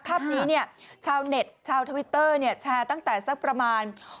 ภาพนี้ชาวเน็ตชาวทวิตเตอร์แชร์ตั้งแต่สักประมาณ